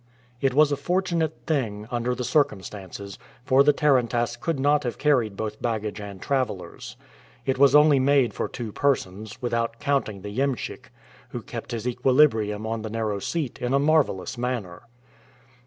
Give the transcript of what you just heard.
It was a fortunate thing, under the circumstances, for the tarantass could not have carried both baggage and travelers. It was only made for two persons, without counting the iemschik, who kept his equilibrium on his narrow seat in a marvelous manner.